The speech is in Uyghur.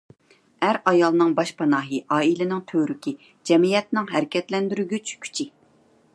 ئەر – ئايالنىڭ باشپاناھى، ئائىلىنىڭ تۈۋرۈكى، جەمئىيەتنىڭ ھەرىكەتلەندۈرگۈچ كۈچى.